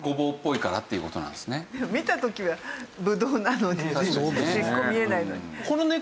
見た時はブドウなのにね。